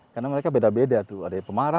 karena mereka beda beda tuh ada pemarah